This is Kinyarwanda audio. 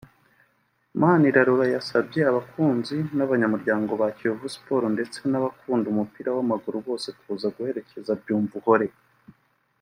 Manirarora yasabye abakunzi n’abanyamuryango ba Kiyovu Sports ndetse n’abakunda umupira w’amaguru bose kuza guherekeza Byumvuhore